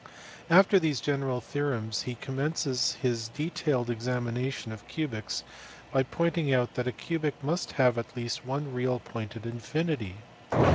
After these general theorems he commences his detailed examination of cubics by pointing out that a cubic must have at least one real point at infinity.